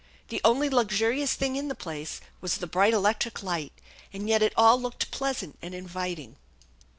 The only luxurious thing in the place was the bright electric light, and yet it all looked pleasant and inviting.